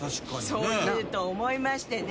そう言うと思いましてね